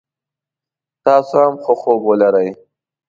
تاسو هم ښه خوب ولری